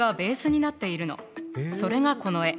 それがこの絵。